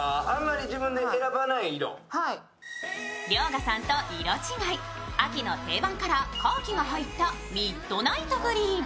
遼河さんと色違い、秋の定番カラーカーキが入ったミッドナイトグリーン。